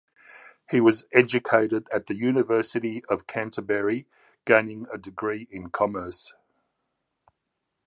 He was educated at the University of Canterbury, gaining a degree in commerce.